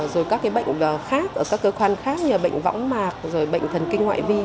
rồi các cái bệnh khác ở các cơ quan khác như là bệnh võng mạc rồi bệnh thần kinh ngoại vi